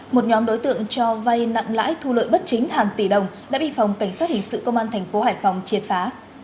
một nhóm đối tượng cho vay nặng lãi thu lợi bất chính hàng tỷ đồng đã bị phòng cảnh sát hình sự công an thành phố hải phòng triệt phá